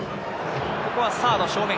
ここはサード正面。